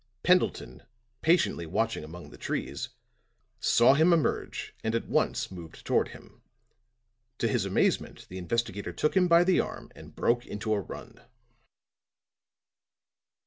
Pendleton, patiently watching among the trees, saw him emerge and at once moved toward him; to his amazement the investigator took him by the arm and broke into a run.